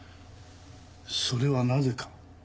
それはなぜか？